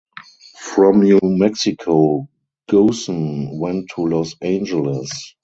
From New Mexico Goossen went to Los Angeles.